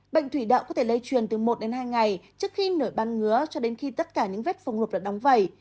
bệnh thủy đậu có thể lây truyền từ một hai ngày trước khi nổi ban ngứa cho đến khi tất cả những vết phồng rụp đã đóng vẩy